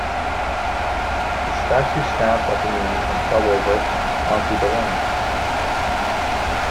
The statue snapped at the knees and fell over onto the land.